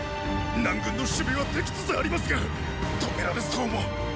南軍の守備は出来つつありますが止められそうもっ！